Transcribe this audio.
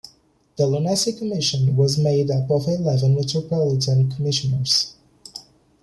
The Lunacy Commission was made up of eleven Metropolitan Commissioners.